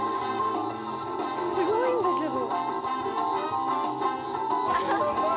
すごいんだけど。